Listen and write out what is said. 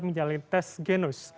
menjalani tes genus